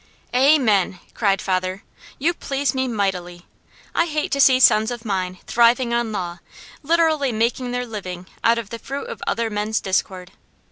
"Amen!" cried father. "You please me mightily. I hate to see sons of mine thriving on law, literally making their living out of the fruit of other men's discord.